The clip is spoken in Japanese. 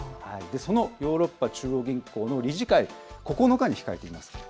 そのヨーロッパ中央銀行の理事会、９日に控えています。